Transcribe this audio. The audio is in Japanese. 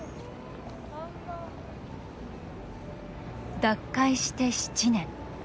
脱会して７年。